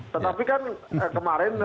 tetapi kan kemarin